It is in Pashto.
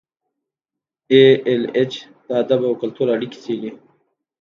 ای ایل ایچ د ادب او کلتور اړیکې څیړي.